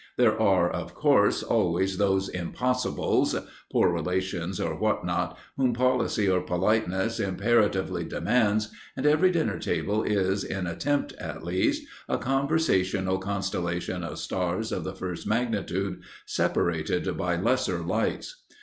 There are, of course, always those impossibles, poor relations or what not, whom policy or politeness imperatively demands, and every dinner table is, in attempt at least, a conversational constellation of stars of the first magnitude separated by lesser lights.